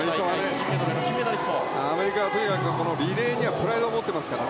アメリカはとにかくリレーにはプライドを持っていますから。